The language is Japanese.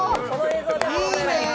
いいね。